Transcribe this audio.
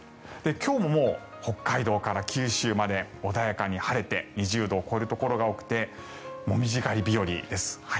今日も北海道から九州まで穏やかに晴れて２０度を超えるところが多くてモミジ狩り日和です。